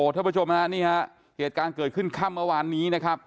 ทาวประจงนะนี่ครับเหตุการณ์เกิดขึ้นค่ำประวารณนี้